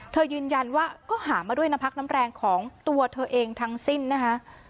ยืนยันว่าก็หามาด้วยน้ำพักน้ำแรงของตัวเธอเองทั้งสิ้นนะคะ